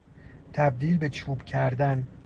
تبدیل به چوب کردن